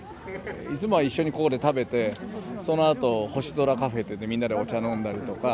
いつもは一緒にここで食べてそのあと星空カフェっていってみんなでお茶飲んだりとか。